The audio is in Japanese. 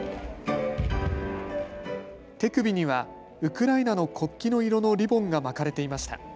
手首にはウクライナの国旗の色のリボンが巻かれていました。